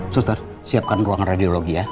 suster siapkan ruang radiologi ya